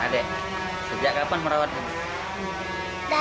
adek sejak kapan merawat kamu